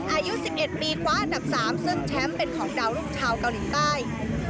อายุ๑๑ปีคว้าอันดับ๓ซึ่งแชมป์เป็นของดาวรุ่งชาวเกาหลีใต้